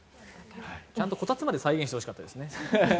ちゃんとこたつまで再現してほしかったですね。